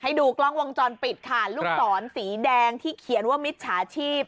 ดูกล้องวงจรปิดค่ะลูกศรสีแดงที่เขียนว่ามิจฉาชีพ